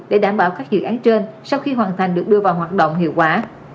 để đảm bảo các dự án trên sau khi hoàn thành được đưa vào hoạt động hiệu quả